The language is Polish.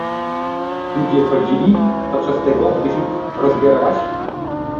Ludzie chodzili podczas tego, gdy się rozbierałaś.